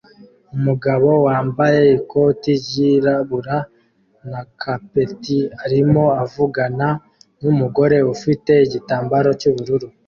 Umugabo wambaye ikoti ryirabura na capeti arimo avugana numugore ufite igitambaro cyubururu